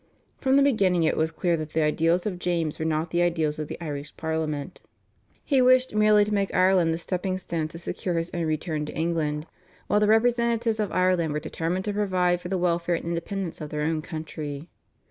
From the beginning it was clear that the ideals of James were not the ideals of the Irish Parliament. He wished merely to make Ireland the stepping stone to secure his own return to England, while the representatives of Ireland were determined to provide for the welfare and independence of their own country.